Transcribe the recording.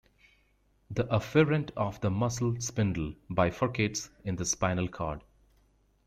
The afferent of the muscle spindle bifurcates in the spinal cord.